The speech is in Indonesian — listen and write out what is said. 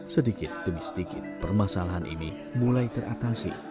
sedikit demi sedikit permasalahan ini mulai teratasi